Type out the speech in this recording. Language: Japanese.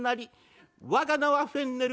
我が名はフェンネル。